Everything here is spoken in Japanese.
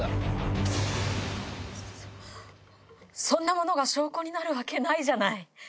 そそんなものが証拠になるわけないじゃない。